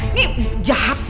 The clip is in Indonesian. ini jahat benernya